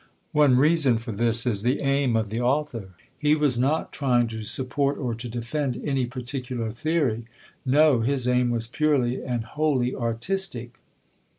One reason for this is the aim of the author; he was not trying to support or to defend any particular theory no, his aim was purely and wholly artistic.